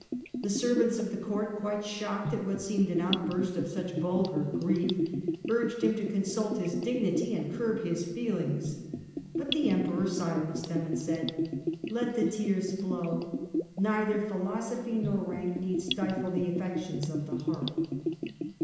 The servants of the court, quite shocked at what seemed an outburst of tender such vulgar grief, urged him to consult his care of hU dignity and curb his feelings, but the Emperor silenced them and said :' Let the tears flow ; neither philosophy nor rank need stifle the affections of the heart.